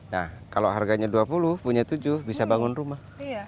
nah kalau harganya dua puluh punya tujuh bisa bangun rumah